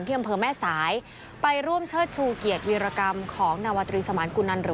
ที่กำเเผลอแม่สาย